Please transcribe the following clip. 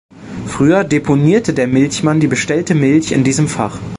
Früher deponierte der Milchmann die bestellte Milch in diesem Fach.